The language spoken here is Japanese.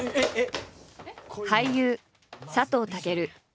俳優佐藤健。